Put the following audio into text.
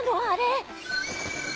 あれ！